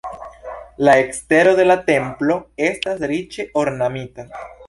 La ekstero de la templo estas riĉe ornamita.